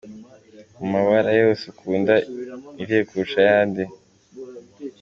Mumabara yose ukunda irihe kurusha ayandi?